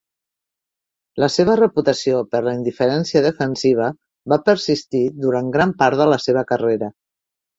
La seva reputació per la indiferència defensiva va persistir durant gran part de la seva carrera.